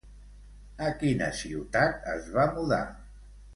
A quina ciutat es va mudar?